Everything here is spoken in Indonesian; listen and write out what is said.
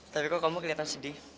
tapi kok kamu kelihatan sedih